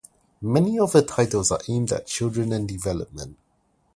Many of her titles are aimed at children and development.